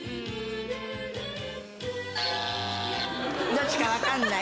どっちかわかんない？